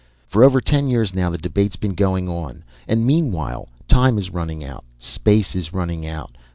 For over ten years now the debate's been going on. And meanwhile, time is running out. Space is running out.